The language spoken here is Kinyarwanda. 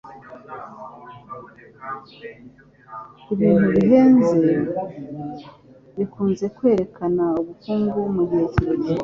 Ibintu bihenze bikunze kwerekana ubukungu mugihe kirekire.